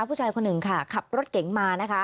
ผู้ชายคนหนึ่งค่ะขับรถเก๋งมานะคะ